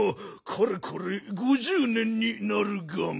かれこれ５０年になるガン！